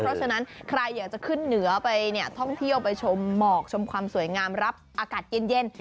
เพราะฉะนั้นใครอยากจะขึ้นเหนือไปท่องเที่ยวไปชมหมอกชมความสวยงามรับอากาศเย็น